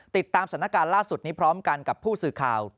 ติดตามสถานการณ์ล่าสุดนี้พร้อมกันกับผู้สื่อข่าว